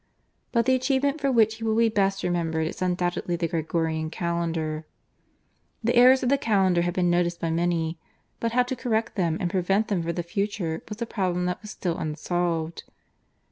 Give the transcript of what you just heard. But the achievement for which he will be best remembered is undoubtedly the Gregorian Calendar. The errors of the calendar had been noticed by many, but how to correct them and prevent them for the future was the problem that was still unsolved.